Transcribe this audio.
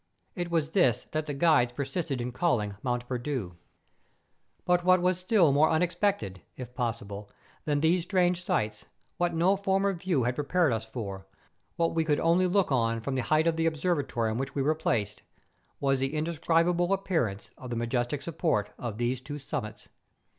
It was this that the guides persisted in calling ' Mont Perdu.' But what was still more unexpected, if possible, than these strange sights, what no former view had prepared us for, what we could only look on from the height of the observatory on which we were placed, was the indescribable appearance of the majestic support of these two summits.